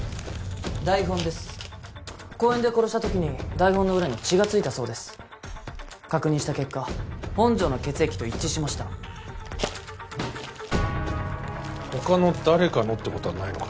台本です公園で殺した時に台本の裏に血がついたそうです確認した結果本条の血液と一致しました他の誰かのってことはないのか？